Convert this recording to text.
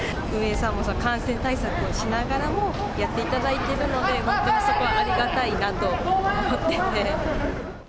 感染対策をしながらも、やっていただいているので、本当にそこはありがたいなと思っていて。